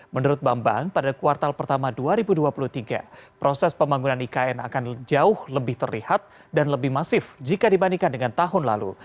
menurut bambang pada kuartal pertama dua ribu dua puluh tiga proses pembangunan ikn akan jauh lebih terlihat dan lebih masif jika dibandingkan dengan tahun lalu